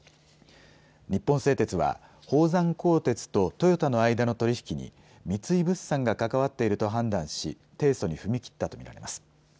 日本製鉄は宝山鋼鉄とトヨタの間の取り引きに三井物産が関わっていると判断し提訴に踏み切ったと見られます。